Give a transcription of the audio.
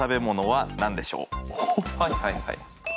はいはいはい。